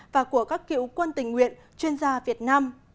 và của các cựu quân tình nguyện chuyên gia việt nam